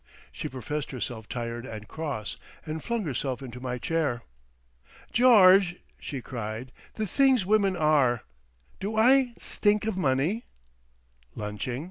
She professed herself tired and cross, and flung herself into my chair.... "George," she cried, "the Things women are! Do I stink of money?" "Lunching?"